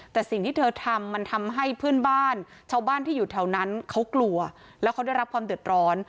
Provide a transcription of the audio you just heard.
แต่สิ่งที่เธอทำมันทำให้เพื่อนบ้านชาวบ้านที่อยู่แถวนั้นเขากลัวแล้วเขาได้รับความเดือดร้อน